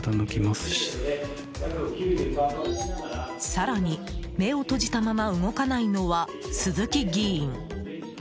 更に、目を閉じたまま動かないのは鈴木議員。